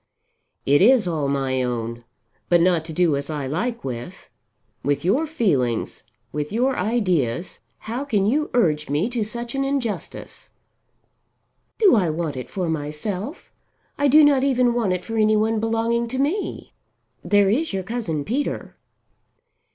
"It is all my own, but not to do as I like with. With your feelings, with your ideas, how can you urge me to such an injustice?" "Do I want it for myself? I do not even want it for any one belonging to me. There is your cousin Peter."